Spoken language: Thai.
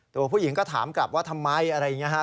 ตัวผู้หญิงก็ถามกลับว่าทำไมอะไรอย่างนี้ฮะ